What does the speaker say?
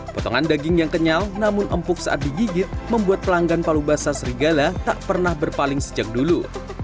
potongan daging yang kenyal namun empuk saat digigit membuat pelanggan palu basah serigala tak pernah berpaling sejak dulu